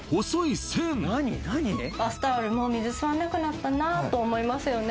バスタオルもう水吸わなくなったと思いますよね